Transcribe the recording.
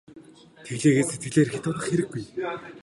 Тэглээ гээд сэтгэлээр хэт унах хэрэггүй.